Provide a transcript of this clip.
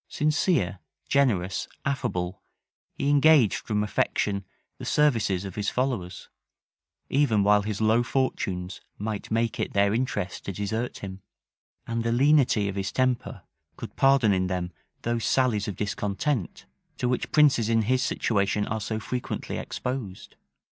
Sincere, generous, affable, he engaged from affection the services of his followers, even while his low fortunes might make it their interest to desert him; and the lenity of his temper could pardon in them those sallies of discontent, to which princes in his situation are so frequently exposed.